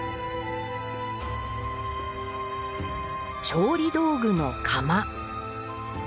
調理道具の釜。